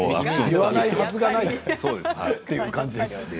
言わないはずはないという感じですね。